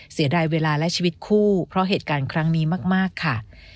เสียดายเวลาและชีวิตคู่เพราะเหตุการณ์ครั้งนี้มากค่ะ